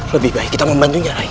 lebih baik kita membantunya lain